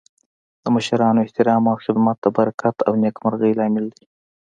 د مشرانو احترام او خدمت د برکت او نیکمرغۍ لامل دی.